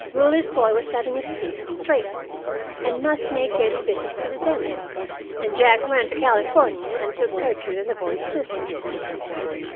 Willie's boy was having his teeth straightened, and must make daily visits to the dentist, and Jack went to California and took Gertrude and the boys with him.